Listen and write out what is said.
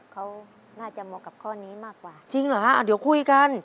เขาน่าจะเหมาะกับข้อนี้มากกว่าจริงเหรอฮะอ่ะเดี๋ยวคุยกัน